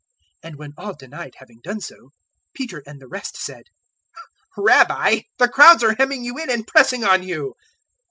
And when all denied having done so, Peter and the rest said, "Rabbi, the crowds are hemming you in and pressing on you."